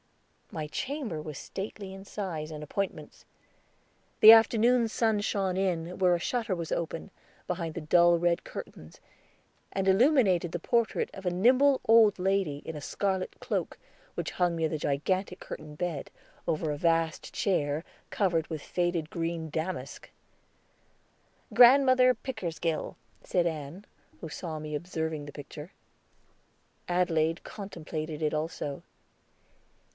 My chamber was stately in size and appointments. The afternoon sun shone in, where a shutter was open, behind the dull red curtains, and illuminated the portrait of a nimble old lady in a scarlet cloak, which hung near the gigantic curtained bed, over a vast chair, covered with faded green damask. "Grandmother Pickersgill," said Ann, who saw me observing the picture. Adelaide contemplated it also.